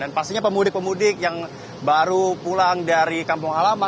dan pastinya pemudik pemudik yang baru pulang dari kampung halaman